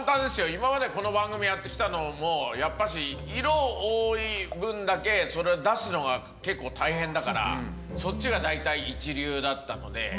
今までこの番組やって来たのもやっぱり色多い分だけそれを出すのが結構大変だからそっちが大体一流だったので。